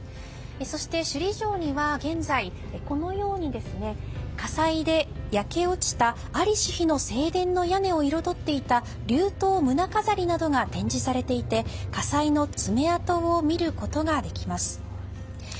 そして、首里城には現在このように香西で焼け落ちた在りし日の正殿の屋根を彩っていた飾りなどが展示されていて火災の爪痕を見ることができます。